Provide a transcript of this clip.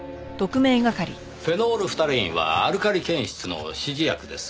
フェノールフタレインはアルカリ検出の指示薬です。